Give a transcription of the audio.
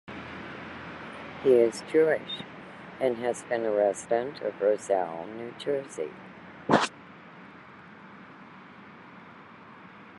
He is Jewish and has been a resident of Roselle, New Jersey.